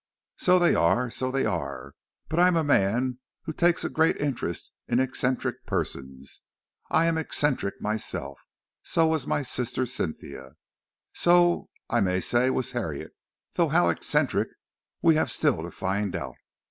"So they are, so they are, but I am a man who takes a great interest in eccentric persons. I am eccentric myself; so was my sister Cynthia; so I may say was Harriet, though how eccentric we have still to find out.